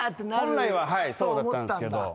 本来はそうだったんですけど。